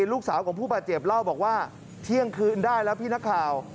ลูกสาวของผู้บาดเจ็บเล่าบอกว่าเที่ยงคืนได้แล้วพี่นักข่าว